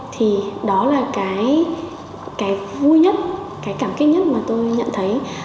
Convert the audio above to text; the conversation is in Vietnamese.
thì đó là cái vui nhất cái cảm kích nhất mà tôi nhận thấy